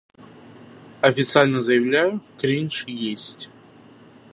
Официально заявляю, кринж есть!